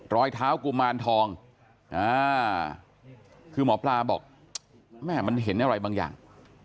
รอยเท้ากุมารทองคือหมอปลาบอกแม่มันเห็นอะไรบางอย่าง